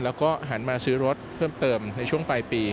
แล้วก็หันมาซื้อรถเพิ่มเติมในช่วงปลายปี